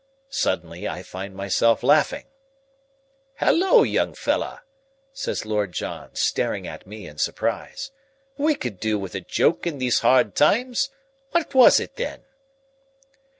Suddenly, I find myself laughing. "Halloa, young fellah!" says Lord John, staring at me in surprise. "We could do with a joke in these hard times. What was it, then?"